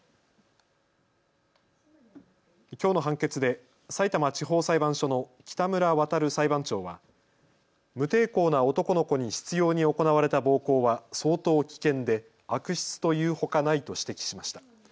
きょうの判決でさいたま地方裁判所の北村和裁判長は無抵抗な男の子に執ように行われた暴行は相当危険で悪質というほかないと指摘しました。